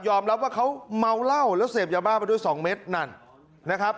รับว่าเขาเมาเหล้าแล้วเสพยาบ้าไปด้วยสองเม็ดนั่นนะครับ